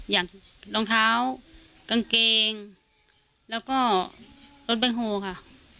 อย่างรองเท้ากางเกงแล้วก็รถแบคโฮค่ะ